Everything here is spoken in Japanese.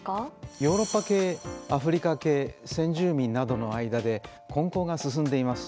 ヨーロッパ系アフリカ系先住民などの間で混交が進んでいます。